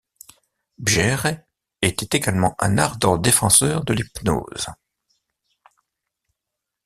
Bjerre était également un ardent défenseur de l'hypnose.